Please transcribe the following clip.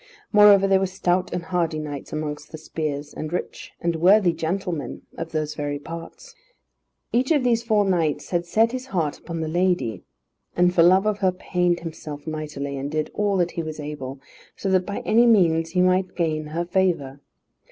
Moreover they were stout and hardy knights amongst the spears, and rich and worthy gentlemen of those very parts. Each of these four knights had set his heart upon the lady, and for love of her pained himself mightily, and did all that he was able, so that by any means he might gain her favour.